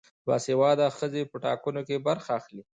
باسواده ښځې په ټاکنو کې برخه اخلي.